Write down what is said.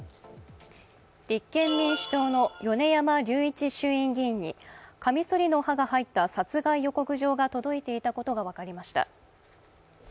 立憲民主党の米山隆一衆議院議員にカミソリの刃が入った殺害予告状が届いていたことが分かりました。